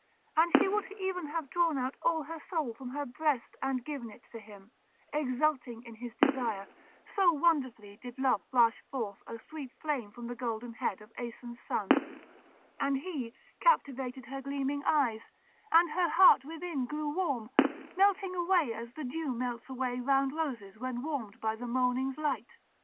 And she would even have drawn out all her soul from her breast and given it to him, exulting in his desire; so wonderfully did love flash forth a sweet flame from the golden head of Aeson's son; and he captivated her gleaming eyes; and her heart within grew warm, melting away as the dew melts away round roses when warmed by the morning's light.